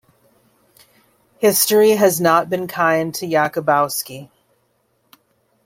History has not been kind to Jakubowski.